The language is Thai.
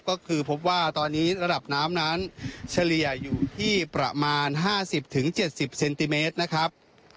ก็คือพบว่าตอนนี้ระดับน้ำนั้นเฉลี่ยอยู่ที่ประมาณ๕๐๗๐เซนติเมตรนะครับ